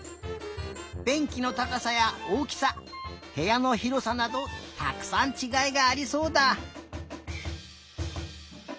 べんきのたかさやおおきさへやのひろさなどたくさんちがいがありそうだ！